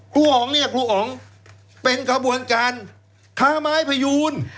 อ๋องเนี่ยครูอ๋องเป็นขบวนการค้าไม้พยูน